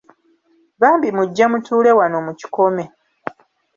Bambi mujje mutuule wano mu kikome.